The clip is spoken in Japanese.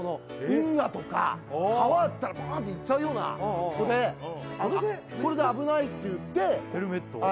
運河とか川あったらパーンっていっちゃうような子でそれで危ないっていってヘルメットを？